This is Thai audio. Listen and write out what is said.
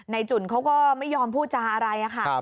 จุ่นเขาก็ไม่ยอมพูดจาอะไรค่ะ